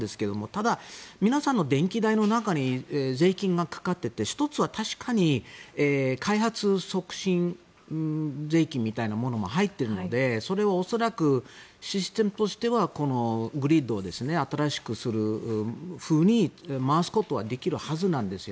ただ、皆さんの電気代の中に税金がかかっていて１つは確かに開発促進税金みたいなものも入っているのでそれを恐らくシステムとしてはこのグリッドを新しくするふうに回すことはできるはずなんです。